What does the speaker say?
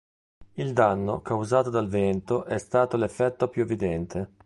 Il danno causato dal vento è stato l'effetto più evidente.